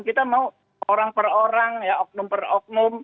kita mau orang per orang ya oknum per oknum